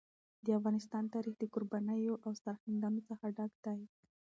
د افغانستان تاریخ د قربانیو او سرښندنو څخه ډک دی.